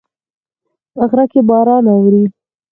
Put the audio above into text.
په غره کې باران اوري